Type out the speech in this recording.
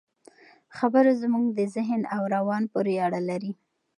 خبره زموږ د ذهن او روان پورې اړه لري.